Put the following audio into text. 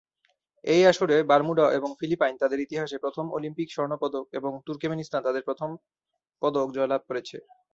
এই আসরে বারমুডা এবং ফিলিপাইন তাদের ইতিহাসে প্রথম অলিম্পিক স্বর্ণ পদক এবং তুর্কমেনিস্তান তাদের প্রথম পদক জয়লাভ করেছে।